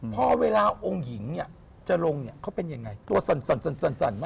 พอเวลาองค์หญิงจะลงเขาเป็นอย่างไรตัวสั่นไหม